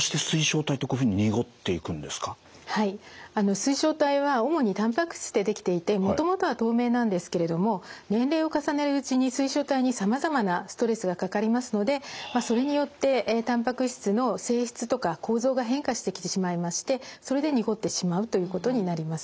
水晶体は主にたんぱく質で出来ていてもともとは透明なんですけれども年齢を重ねるうちに水晶体にさまざまなストレスがかかりますのでそれによってたんぱく質の性質とか構造が変化してきてしまいましてそれで濁ってしまうということになります。